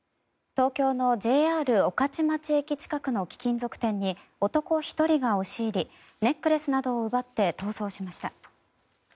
東京のＪＲ御徒町駅近くの貴金属店に男１人が押し入りネックレスなどを奪って逃走しました。